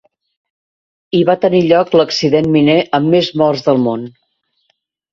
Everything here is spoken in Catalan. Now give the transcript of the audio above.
Hi va tenir lloc l'accident miner amb més morts del món.